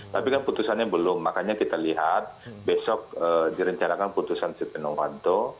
tapi kan putusannya belum makanya kita lihat besok direncanakan putusan site novanto